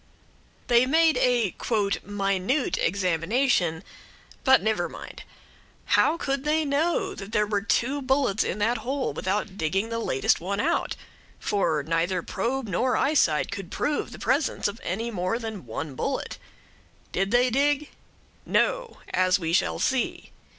They made a "minute" examination; but never mind, how could they know that there were two bullets in that hole without digging the latest one out? for neither probe nor eyesight could prove the presence of any more than one bullet. Did they dig? No; as we shall see.